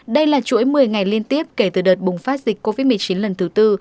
đây là chuỗi một mươi ngày liên tiếp kể từ đợt bùng phát dịch covid một mươi chín lần thứ tư